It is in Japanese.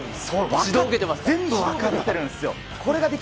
全部分かってるんですよ。